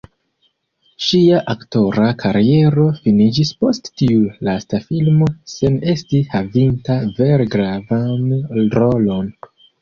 Ŝia aktora kariero finiĝis post tiu lasta filmo sen esti havinta vere gravan rolon.